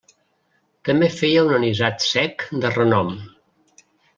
També feia un anisat sec de renom.